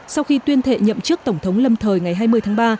sau khi tuyên thệ nhậm chức tổng thống lâm thời ngày hai mươi tháng ba